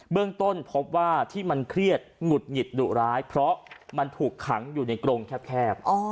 เรื่องต้นพบว่าที่มันเครียดหงุดหงิดดุร้ายเพราะมันถูกขังอยู่ในกรงแคบ